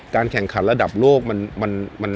การแข่งขันระดับโลกมัน